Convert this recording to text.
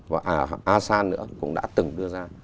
và asean nữa cũng đã từng đưa ra